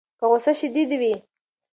که غوسه شدید وي، باید متخصص ته مراجعه وشي.